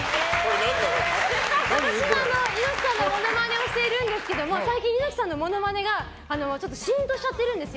私、猪木さんのものまねをしているんですけど最近猪木さんのものまねがシーンとしちゃっているんですよ。